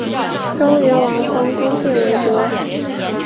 周元王封勾践为伯。